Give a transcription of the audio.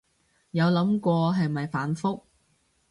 有諗過係咪反覆